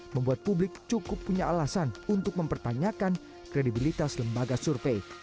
membuat publik cukup punya alasan untuk mempertanyakan kredibilitas lembaga survei